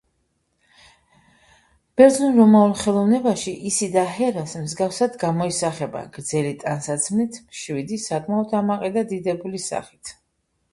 ბერძნულ–რომაულ ხელოვნებაში ისიდა ჰერას მსგავსად გამოისახება: გრძელი ტანსაცმლით, მშვიდი, საკმაოდ ამაყი და დიდებული სახით.